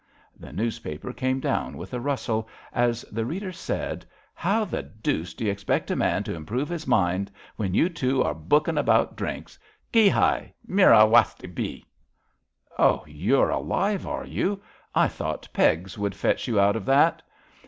*' The newspaper came down with a rustle, as the reader said: How the deuce d'you expect a man to improve his mind when you two are hvkhing about drinks? Qui hail Mcra wasti hhi/^ Ohl you're alive, are you? I thought pegs would fetch you out of that.